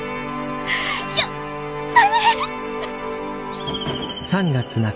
やったね！